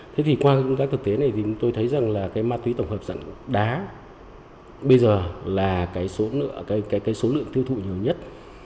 thế thì qua công tác thực tế này thì tôi thấy rằng là cái ma túy tổng hợp dạng đá bây giờ là cái số lượng tiêu thụ nhiều nhất